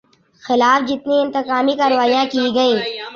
خلاف جتنی انتقامی کارروائیاں کی گئیں